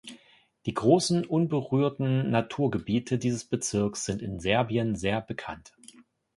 Die großen unberührten Naturgebiete dieses Bezirks sind in Serbien sehr bekannt.